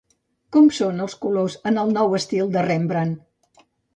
Com són els colors en el nou estil de Rembrandt?